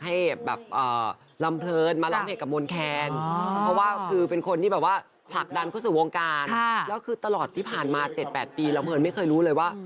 อ๋อเหรอใช่คือแบบว่าเป็นเขาเรามันติดอยู่ในใต้อยู่โอ้โฮ